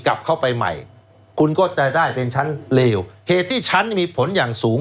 กลับเข้าไปใหม่คุณก็จะได้เป็นชั้นเลวเหตุที่ชั้นมีผลอย่างสูง